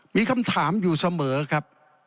มีคำถามอยู่เสมอครับ